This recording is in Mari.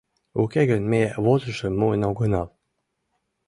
Уке гын, ме возышым муын огынал.